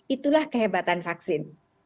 itulah kehebatan vaksin